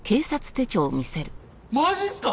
マジっすか！